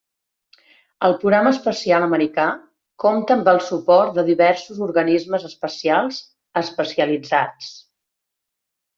El programa espacial americà compta amb el suport de diversos organismes espacials especialitzats.